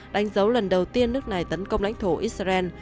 đánh dấu lần đầu tiên nước này tấn công lãnh thổ israel